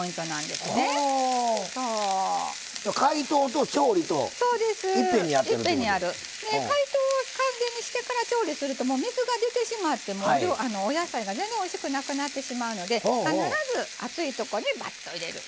で解凍を完全にしてから調理すると水が出てしまってお野菜が全然おいしくなくなってしまうので必ず熱いとこにバッと入れる。